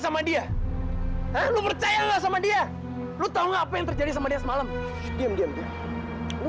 apa yang predichrine royaljs itu